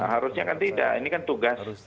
harusnya kan tidak ini kan tugas